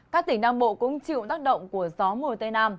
các tỉnh nam bộ cũng chịu tác động của gió mùa tây nam